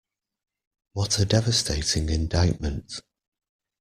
What a devastating indictment.